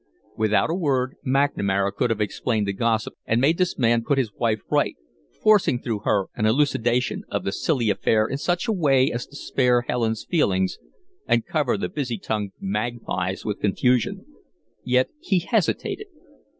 With a word McNamara could have explained the gossip and made this man put his wife right, forcing through her an elucidation of the silly affair in such a way as to spare Helen's feelings and cover the busy tongued magpies with confusion. Yet he hesitated.